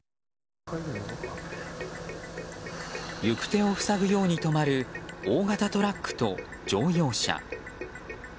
行く手を塞ぐように止まる大型トラックと乗用車。